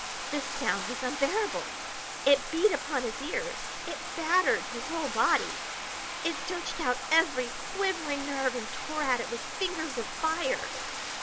This sound was unbearable; it beat upon his ears; it battered his whole body; it searched out every quivering nerve and tore at it with fingers of fire.